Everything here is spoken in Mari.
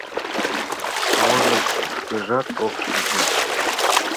Можыч, шкежат ок шинче.